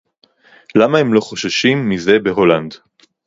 למה הם לא חוששים מזה בהולנד